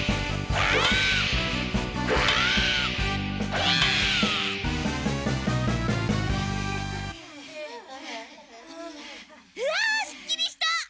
あすっきりした！